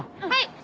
はい。